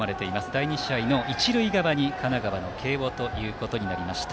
第２試合の一塁側に神奈川の慶応となりました。